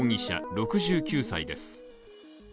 ６９歳です。